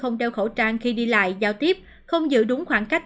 không đeo khẩu trang khi đi lại giao tiếp không giữ đúng khoảng cách